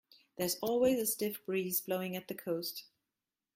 There's always a stiff breeze blowing at the coast.